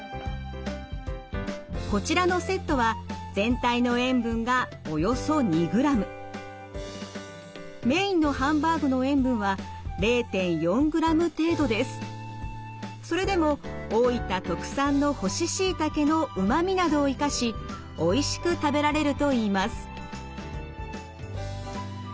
こちらのセットはメインのそれでも大分特産の干ししいたけのうまみなどを生かしおいしく食べられるといいます。